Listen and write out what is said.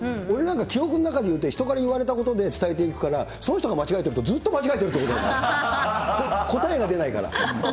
俺なんか記憶の中で言って、人から言われたことで伝えていくから、その人が間違えてると、ずっと間違えてる、答えが出ないから。